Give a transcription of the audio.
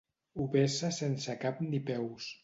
Ho vessa sense cap ni peus.